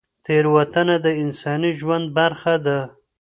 تېروتنه د انساني ژوند برخه ده.